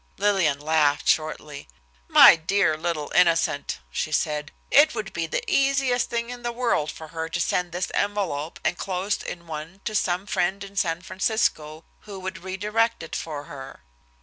Lillian laughed shortly. "My dear little innocent!" she said, "it would be the easiest thing in the world for her to send this envelope enclosed in one to some friend in San Francisco, who would re direct it for her."